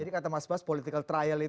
jadi kata mas bas political trial itu